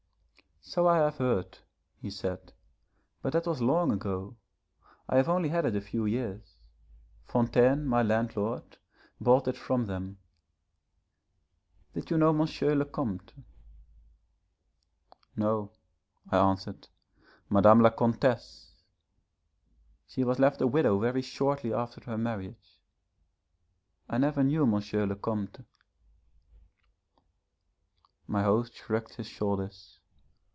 'So I have heard,' he said, 'but that was long ago. I have only had it a few years. Fontaine my landlord bought it from them. Did you know M. le Comte!' 'No,' I answered, 'Madame la Comtesse. She was left a widow very shortly after her marriage. I never knew M. le Comte.' My host shrugged his shoulders.